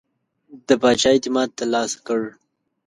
د پاچا اعتماد ترلاسه کړ.